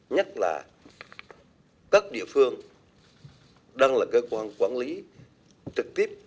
nhất là các địa phương đang là cơ quan quản lý trực tiếp